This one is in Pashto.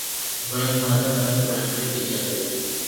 دویم واده باید د محکمې په اجازه وي.